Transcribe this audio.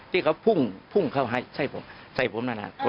ที่เขาพุ่งพุ่งเข้าใส่ผมใส่ผมนั่นแหละ